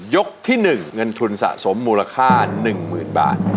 ยกที่หนึ่งเงินทุนสะสมมูลค่าหนึ่งหมื่นบาท